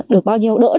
được bao nhiêu đỡ